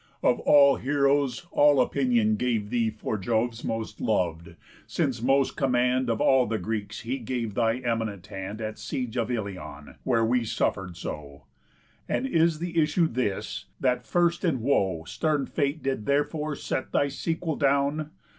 Of all heroës, all opinion Gave thee for Jove's most lov'd, since most command Of all the Greeks he gave thy eminent hand At siege of Ilion, where we suffer'd so. And is the issue this, that first in woe Stern Fate did therefore set thy sequel down?